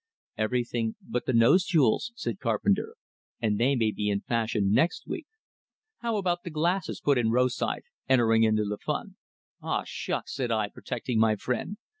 "Everything but the nose jewels," said Carpenter, "and they may be in fashion next week." "How about the glasses?" put in Rosythe, entering into the fun. "Oh, shucks!" said I, protecting my friend.